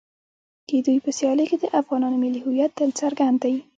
د دوی په سیالیو کې د افغانانو ملي هویت تل څرګند دی.